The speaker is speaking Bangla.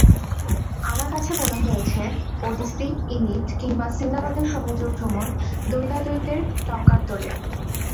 আমার কাছে মনে হয়েছে, ওডিসি, ইনিড কিংবা সিন্দাবাদের সমুদ্রভ্রমণ দ্বৈতাদ্বৈতের টঙ্কার তোলে।